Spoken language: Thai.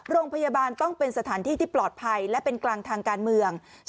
โรงพยาบาลต้องเป็นสถานที่ที่ปลอดภัยและเป็นกลางทางการเมือง